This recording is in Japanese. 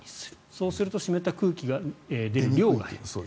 そうすると湿った空気の出る量が減る。